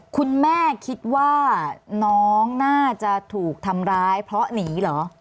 คุณแม่คิดว่าน้องน่าจะถูกทำร้ายเพราะหนีเหรอ